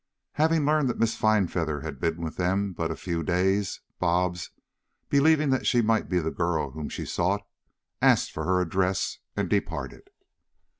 Having learned that Miss Finefeather had been with them but a few days, Bobs, believing that she might be the girl whom she sought, asked for her address, and departed.